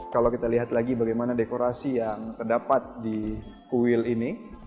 kalau kita lihat lagi bagaimana dekorasi yang terdapat di kuil ini